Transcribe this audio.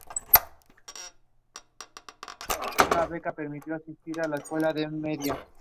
Vachon se casó tres veces.